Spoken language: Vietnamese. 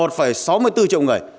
là một sáu mươi bốn triệu người